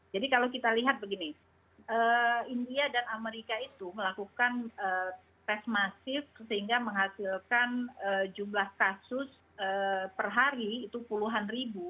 jadi kalau kita lihat begini india dan amerika itu melakukan tes masif sehingga menghasilkan jumlah kasus per hari itu puluhan ribu